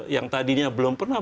yang tadinya belum pernah